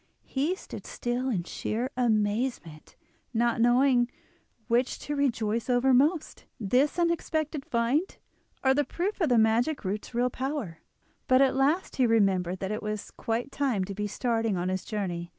He stood still in sheer amazement, not knowing which to rejoice over most—this unexpected find, or the proof of the magic root's real power; but at last he remembered that it was quite time to be starting on his journey.